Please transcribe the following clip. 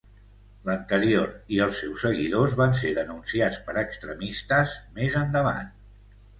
L'anterior i els seus seguidors van ser denunciats per extremistes més endavant.